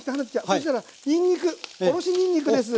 そしたらにんにくおろしにんにくです。